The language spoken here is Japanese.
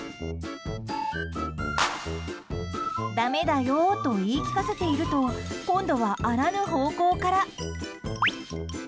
だめだよと言い聞かせていると今度は、あらぬ方向から。